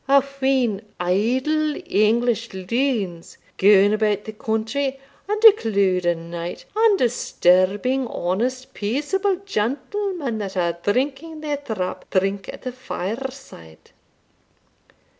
A wheen idle English loons, gaun about the country under cloud o' night, and disturbing honest peaceable gentlemen that are drinking their drap drink at the fireside!"